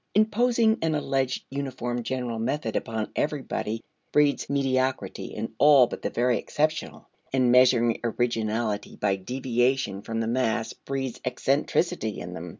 Imposing an alleged uniform general method upon everybody breeds mediocrity in all but the very exceptional. And measuring originality by deviation from the mass breeds eccentricity in them.